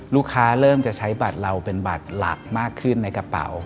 เริ่มจะใช้บัตรเราเป็นบัตรหลักมากขึ้นในกระเป๋า